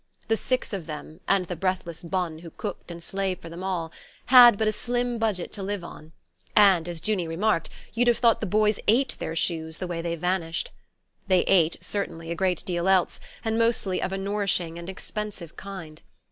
The six of them, and the breathless bonne who cooked and slaved for them all, had but a slim budget to live on; and, as Junie remarked, you'd have thought the boys ate their shoes, the way they vanished. They ate, certainly, a great deal else, and mostly of a nourishing and expensive kind.